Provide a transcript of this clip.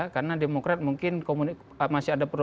karena demokrat mungkin masih ada